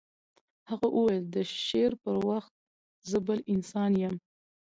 هغه وویل د شعر پر وخت زه بل انسان یم